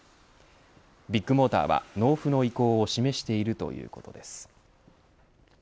ビッグモーターは納付の意向を示しているということです。